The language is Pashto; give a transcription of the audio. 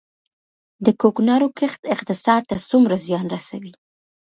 د کوکنارو کښت اقتصاد ته څومره زیان رسوي؟